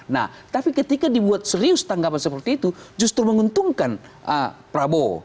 nah tapi ketika dibuat serius tanggapan seperti itu justru menguntungkan prabowo